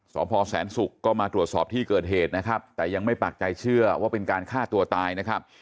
สพแสนศุกร์ก็มาตรวจสอบที่เกิดเหตุนะครับแต่ยังไม่ปากใจเชื่อว่าเป็นการฆ่าตัวตายนะครับ